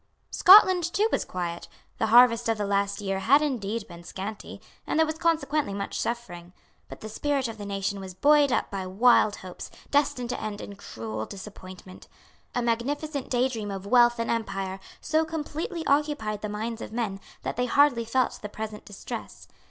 Scotland too was quiet. The harvest of the last year had indeed been scanty; and there was consequently much suffering. But the spirit of the nation was buoyed up by wild hopes, destined to end in cruel disappointment. A magnificent daydream of wealth and empire so completely occupied the minds of men that they hardly felt the present distress.